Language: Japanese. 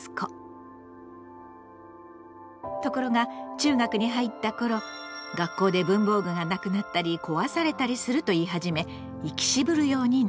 ところが中学に入った頃学校で文房具がなくなったり壊されたりすると言い始め行き渋るようになった。